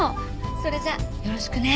それじゃあよろしくね。